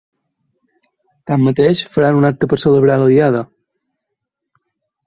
Tanmateix, faran un acte per celebrar la Diada.